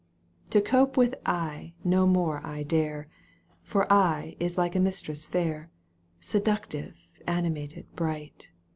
To cope with Ay no more I dare, For Ay is like a mistress fair, Seductive, animated, bright.